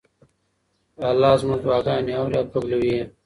الله زموږ دعاګانې اوري او قبلوي یې.